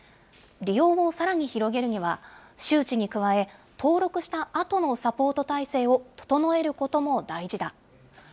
利用をさらに広げるには、周知に加え、登録したあとのサポート体制を整えることも大事だ。